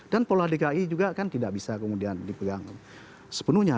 dan pola dki juga kan tidak bisa kemudian dipegang sepenuhnya